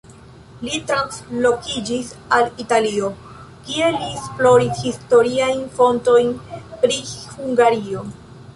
Li translokiĝis al Italio, kie li esploris historiajn fontojn pri Hungario.